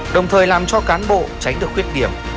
đồng thời làm cho cán bộ tránh được khuyết điểm